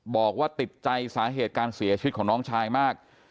บอกว่าติดใจสาเหตุการเสียชีวิตของน้องชายมาก